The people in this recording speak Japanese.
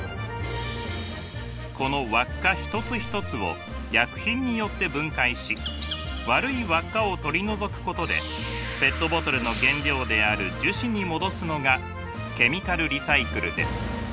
この輪っか一つ一つを薬品によって分解し悪い輪っかを取り除くことでペットボトルの原料である樹脂に戻すのがケミカルリサイクルです。